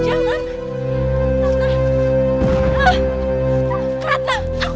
di balik semua orang attila bajoo